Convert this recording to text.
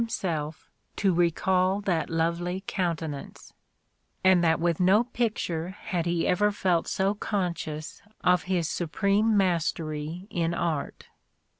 himself to recall that lovely countenance) : and that with no picture had he ever felt so con scious of his supreme mastery in art.